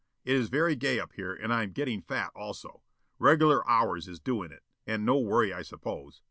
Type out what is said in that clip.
It is very gay up here and I am getting fat also. Regular hours is doing it, and no worry I suppose.